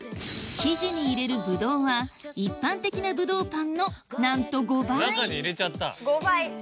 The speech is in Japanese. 生地に入れるぶどうは一般的なぶどうパンのなんと５倍５倍。